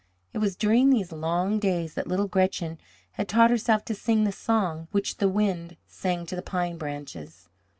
It was during these long days that little Gretchen had taught herself to sing the song which the wind sang to the pine branches.